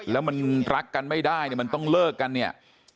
แล้วมันรักกันไม่ได้เนี่ยมันต้องเลิกกันเนี่ย